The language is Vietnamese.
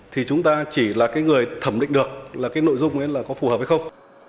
thì chúng ta chỉ là cái người thẩm định được là cái nội dung ấy là có phù hợp hay không